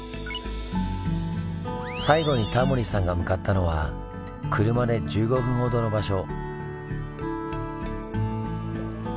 最後にタモリさんが向かったのは車で１５分ほどの場所。